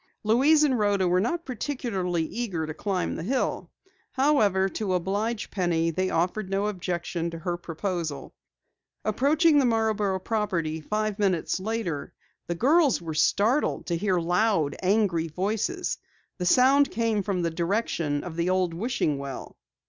Louise and Rhoda were not particularly eager to climb the hill. However, to oblige Penny they offered no objection to her proposal. Approaching the Marborough property five minutes later, the girls were startled to hear loud, angry voices. The sound came from the direction of the old wishing well.